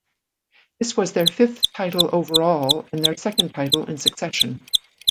This was their fifth title overall and their second title in succession.